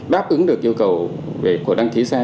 đáp ứng được yêu cầu của đăng ký xe